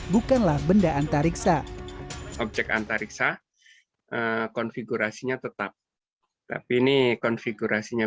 bukanlah benda antariksa objek antariksa konfigurasinya tetap tapi ini konfigurasinya